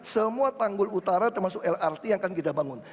semua tanggul utara termasuk lrt yang akan kita bangun